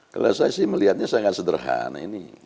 kalau saya sih melihatnya sangat sederhana ini